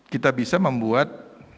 kita bisa membuat